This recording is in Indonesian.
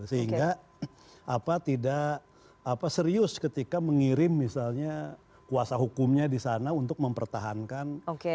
sehingga serius ketika mengirim misalnya kuasa hukumnya disana untuk mempertahankan